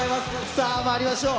さあ、まいりましょう。